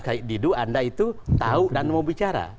kay didu anda itu tahu dan mau bicara